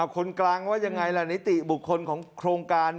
คนกลางว่ายังไงล่ะนิติบุคคลของโครงการ